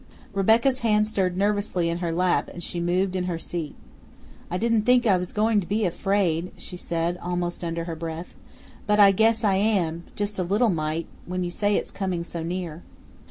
Rebecca's hand stirred nervously in her lap and she moved in her seat. "I didn't think I was going to be afraid," she said almost under her breath; "but I guess I am, just a little mite when you say it's coming so near."